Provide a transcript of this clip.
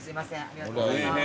ありがとうございます。